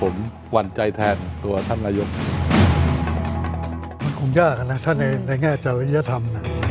มันคงยากนะในแง่เจาะวิทยาธรรม